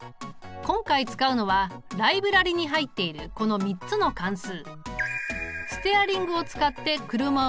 今回使うのはライブラリに入っているこの３つの関数。